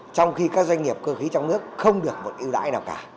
trong khi các doanh nghiệp cơ khí trong nước không được một ưu đãi